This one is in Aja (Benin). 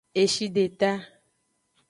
Eshideta.